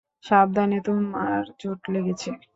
সাবধানে, তোমার চোট লেগেছে।